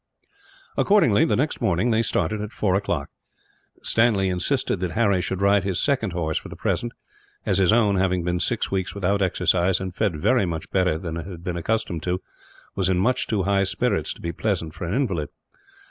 Accordingly, the next morning they started at four o'clock. Stanley insisted that Harry should ride his second horse, for the present; as his own, having been six weeks without exercise, and fed very much better than it had been accustomed to, was in much too high spirits to be pleasant for an invalid.